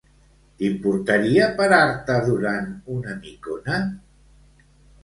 T'importaria parar-te durant una micona?